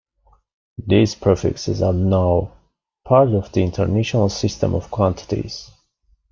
These prefixes are now part of the International System of Quantities.